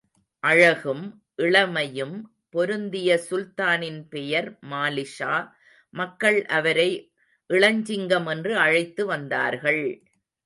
அழகும், இளமையும் பொருந்திய சுல்தானின் பெயர் மாலிக்ஷா, மக்கள் அவரை இளஞ்சிங்கம் என்று அழைத்து வந்தார்கள்!